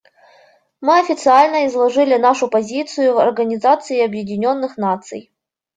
Мы официально изложили нашу позицию в Организации Объединенных Наций.